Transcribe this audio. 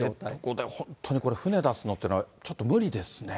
知床で本当にこれ、船出すのっていうのは、ちょっと無理ですね。